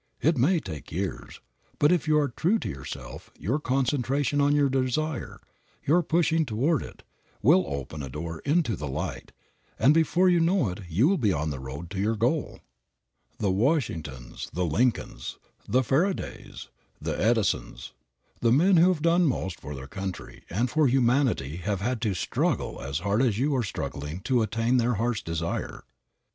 It may take years, but if you are true to yourself your concentration on your desire, your pushing toward it, will open a door into the light, and before you know it you will be on the road to your goal. The Washingtons, the Lincolns, the Faradays, the Edisons, the men who have done most for their country and for humanity have had to struggle as hard as you are struggling to attain their heart's desire.